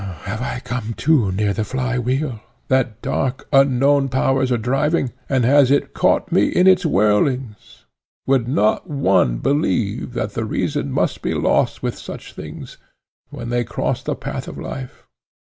"Have I come too near the fly wheel, that dark unknown powers are driving, and has it caught me in its whirlings? Would not one believe, that the reason must be lost with such things, when they cross the path of life?